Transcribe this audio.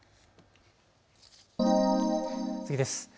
次です。